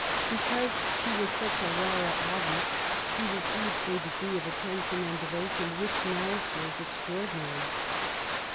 Because she was such a rara avis she received a degree of attention and devotion which now appears extraor dinary.